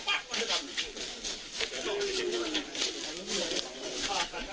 แค้นเหล็กเอาไว้บอกว่ากะจะฟาดลูกชายให้ตายเลยนะ